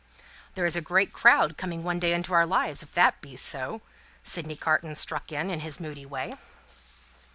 "There is a great crowd coming one day into our lives, if that be so," Sydney Carton struck in, in his moody way.